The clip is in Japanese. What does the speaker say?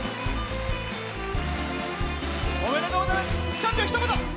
チャンピオン、ひと言。